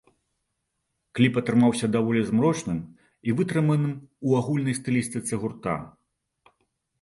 Кліп атрымаўся даволі змрочным і вытрыманым у агульнай стылістыцы гурта.